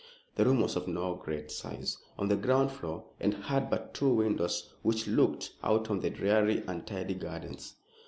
The room was of no great size, on the ground floor, and had but two windows, which looked out on the dreary, untidy gardens.